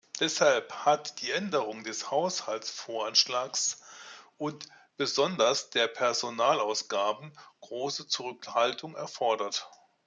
Deshalb hat die Änderung des Haushaltsvoranschlags und besonders der Personalausgaben große Zurückhaltung erfordert.